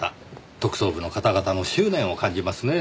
特捜部の方々の執念を感じますねぇ。